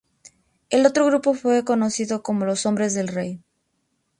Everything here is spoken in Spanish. El otro grupo fue conocido como Los hombres del rey.